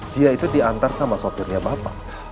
dia itu diantar sama sopirnya bapak